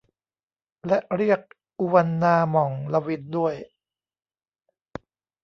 และเรียก อูวันนา หม่อง ลวิน ด้วย